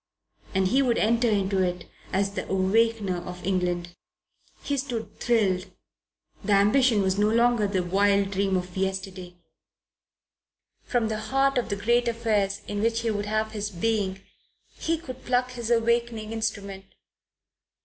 And he would enter into it as the Awakener of England. He stood thrilled. The ambition was no longer the wild dream of yesterday. From the heart of the great affairs in which he would have his being he could pluck his awakening instrument.